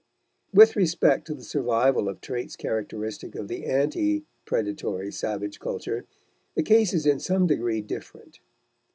With respect to the survival of traits characteristic of the ante predatory savage culture the case is in some degree different.